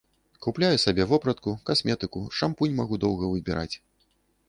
Купляю сабе вопратку, касметыку, шампунь магу доўга выбіраць.